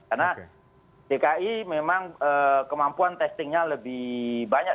karena dki memang kemampuan testingnya lebih banyak